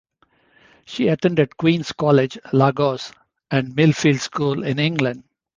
She attended Queen's College, Lagos, and Millfield School in England.